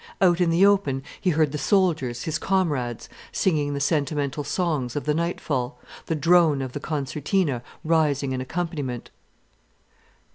Out in the open he heard the soldiers, his comrades, singing the sentimental songs of the nightfall, the drone of the concertina rising in accompaniment.